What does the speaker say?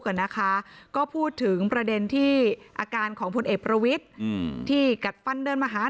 กันนะคะก็พูดถึงประเด็นที่อาการของพลเอกประวิทย์ที่กัดฟันเดินมาหา